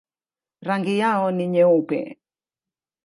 Rangi yao ni nyeupe.